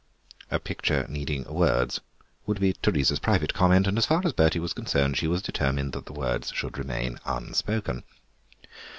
"A picture needing words," would be Teresa's private comment, and as far as Bertie was concerned she was determined that the words should remain unspoken.